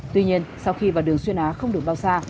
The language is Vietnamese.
tuy nhiên sau khi vào đường xuyên á không được bao xa